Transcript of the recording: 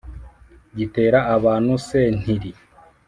gitera abantu sentiri